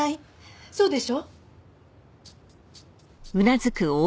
そうでしょ？